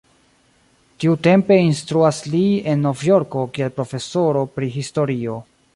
Tiutempe instruas li en Novjorko kiel profesoro pri historio.